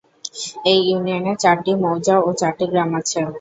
এই ইউনিয়নে চারটি মৌজা ও চারটি গ্রাম আছে।